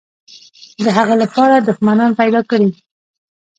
د هغه لپاره دښمنان پیدا کړي.